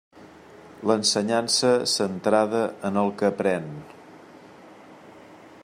L'ensenyança centrada en el que aprén.